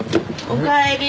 おかえり。